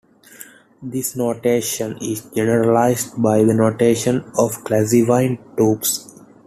This notion is generalized by the notion of classifying topos.